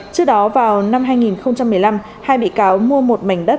trước đó vào năm hai nghìn một mươi năm hai bị cáo mua một mảnh đất